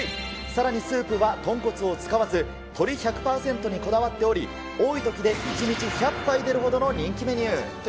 さらにスープは豚骨を使わず、鶏１００％にこだわっており、多いときで１日１００杯出るほどの人気メニュー。